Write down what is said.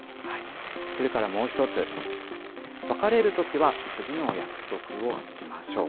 それからもう１つ、別れるときは次の約束をしましょう。